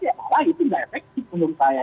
itu tidak efektif menurut saya